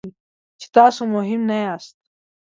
چې تاسو مهم نه یاست.